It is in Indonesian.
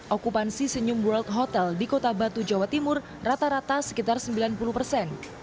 okupansi senyum world hotel di kota batu jawa timur rata rata sekitar sembilan puluh persen